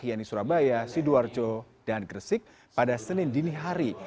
yaitu surabaya sidoarjo dan gresik pada senin dini hari